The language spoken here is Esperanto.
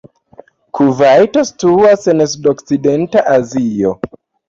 Kuvajto situas en sudokcidenta Azio.